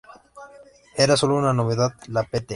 Era sólo una novedad, la Pt.